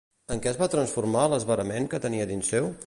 En què es va transformar l'esverament que tenia dins seu?